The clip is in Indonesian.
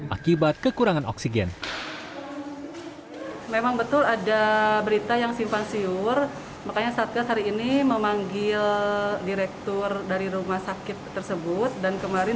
akibat kekurangan oksigen